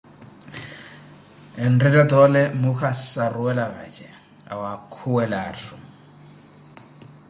Enretta toole muuka asaruwela vaje, awaakuwa atthu